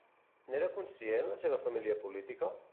N'era conscient, la seva família política?